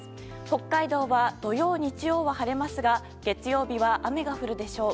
北海道は土曜、日曜は晴れますが月曜日は雨が降るでしょう。